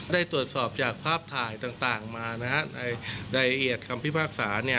ได้ตรวจสอบจากภาพถ่ายต่างมานะฮะในใดเอียดคำพิพากษาเนี่ย